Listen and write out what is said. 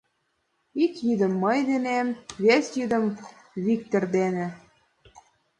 Ик йӱдым — мый денем, вес йӱдым — Виктыр дене.